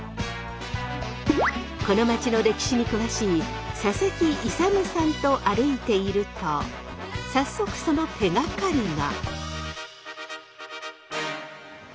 この街の歴史に詳しい佐々木勇さんと歩いていると早速その手がかりが。